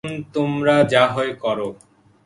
এখন তোমরা যা হয় কর।